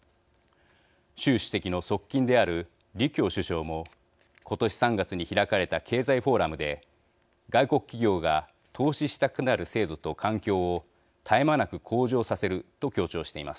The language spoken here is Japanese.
習主席の側近である李強首相も今年３月に開かれた経済フォーラムで外国企業が投資したくなる制度と環境を絶え間なく向上させると強調しています。